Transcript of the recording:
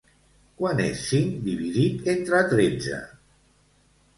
Quant és cinc dividit entre tretze.